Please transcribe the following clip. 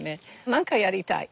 何かやりたい。